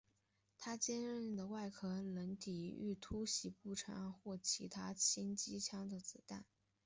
他坚固的外壳能抵御突袭步枪或者其他轻机枪的子弹。